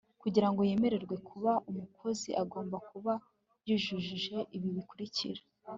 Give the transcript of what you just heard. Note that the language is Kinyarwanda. kugira ngo yemererwe kuba umukozi agomba kuba yujuje ibi bikurikira